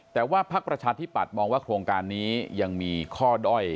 แต่ว่าพักประชาธิปัตยมองว่าโครงการนี้ยังมีข้อด้อย